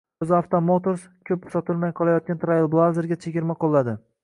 UzAuto Motors ko‘p sotilmay qolayotgan “Trailblazer”ga chegirma qo‘lladi